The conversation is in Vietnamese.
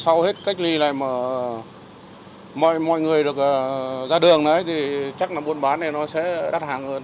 sau hết cách ly này mà mọi người được ra đường thì chắc là buôn bán thì nó sẽ đắt hàng hơn